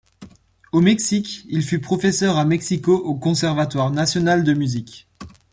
Au Mexique, il fut professeur à Mexico au Conservatoire national de musique.